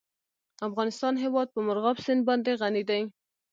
د افغانستان هیواد په مورغاب سیند باندې غني دی.